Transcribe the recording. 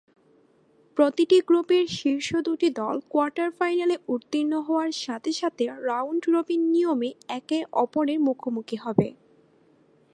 প্রতিটি গ্রুপের শীর্ষ দুটি দল কোয়ার্টার-ফাইনালে উত্তীর্ণ হওয়ার সাথে সাথে রাউন্ড-রবিন নিয়মে একে অপরের মুখোমুখি হবে।